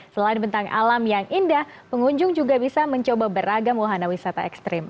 selain bentang alam yang indah pengunjung juga bisa mencoba beragam wahana wisata ekstrim